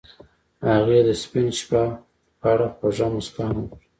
هغې د سپین شپه په اړه خوږه موسکا هم وکړه.